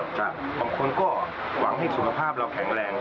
บางคนก็หวังให้สุขภาพเราแข็งแรง